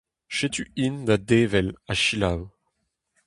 Setu-int da devel ha selaou.